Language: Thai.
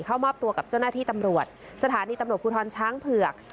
เข้ามอบตัวกับเจ้าหน้าที่ตำรวจสถานีตำรวจภูทรช้างเผือก